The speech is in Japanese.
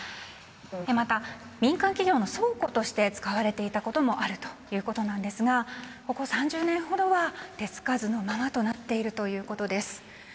また民間企業の倉庫としても使われていたこともあるということなんですがここ３０年ほどは手付かずのままとなっているということです。